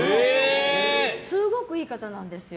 すごくいい方なんですよ。